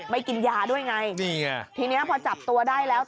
ไม่กินยาด้วยไงทีนี้พอจับตัวได้แล้ว